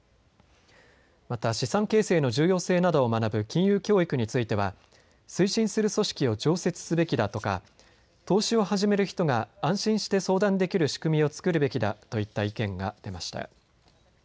また資産形成の重要性などを学ぶ金融教育については推進する組織を常設すべきだとか投資を始める人が安心して相談できる仕組みを作るべきだといった意見が出ました。